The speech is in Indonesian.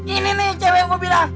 ini nih cewek gue bilang